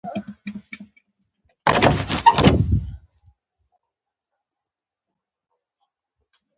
زړه په ښیو او کیڼو برخو ویشل شوی دی.